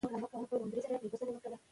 له خپلو ملګرو سره تل رښتیا ووایئ.